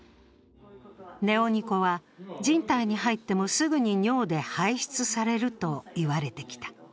ネオニコは人体に入ってもすぐに尿で排出されると言われてきた。